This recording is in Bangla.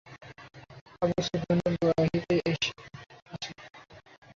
আবু সুফিয়ানও বাইরে আসে।